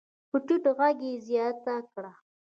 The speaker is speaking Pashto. په ټيټ غږ يې زياته کړه.